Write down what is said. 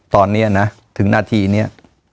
ตอนนี้นะถึงนาทีนี้